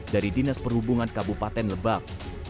dari dinas perhubungan kabupaten lebak